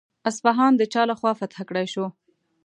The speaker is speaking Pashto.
اصفهان د چا له خوا فتح کړای شو؟